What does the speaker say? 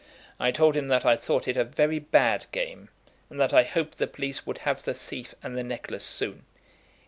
I told him that I thought it a very bad game, and that I hoped the police would have the thief and the necklace soon.